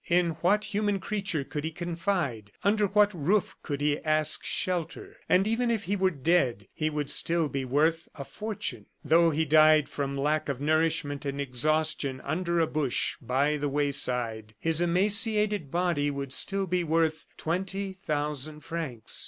In what human creature could he confide? Under what roof could he ask shelter? And even if he were dead, he would still be worth a fortune. Though he died from lack of nourishment and exhaustion under a bush by the wayside, his emaciated body would still be worth twenty thousand francs.